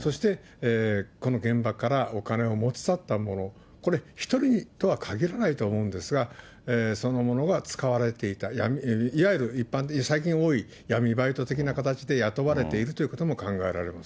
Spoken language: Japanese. そしてこの現場からお金を持ち去った者、これは１人とは限らないと思うんですが、その者が使われていた、いわゆる一般で言う、最近で多い闇バイト的な形で雇われているということも考えられま